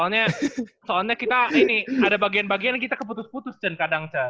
ya soalnya kita ada bagian bagian yang kita keputus putus cen kadang kadang